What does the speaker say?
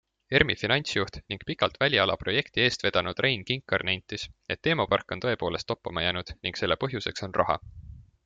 ERMi finantsjuht ning pikalt väliala projekti eest vedanud Rein Kinkar nentis, et teemapark on tõepoolest toppama jäänud ning selle põhjuseks on raha.